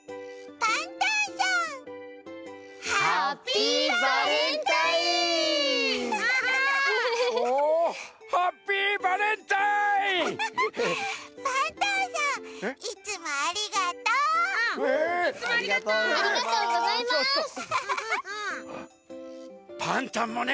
パンタンもね